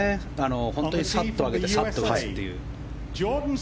本当にサッと上げてサッと打たすっていう。